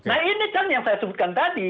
nah ini kan yang saya sebutkan tadi